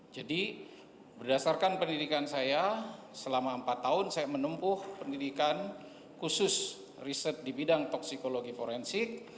berdasarkan pendidikan saya selama empat tahun saya menempuh pendidikan khusus riset di bidang toksikologi forensik